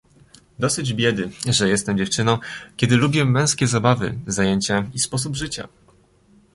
"Dosyć biedy, że jestem dziewczyną, kiedy lubię męskie zabawy, zajęcia i sposób życia."